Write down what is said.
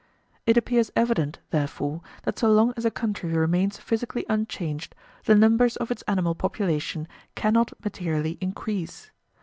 It appears evident, therefore, that so long as a country remains physically unchanged, the numbers of its animal population cannot materially increase.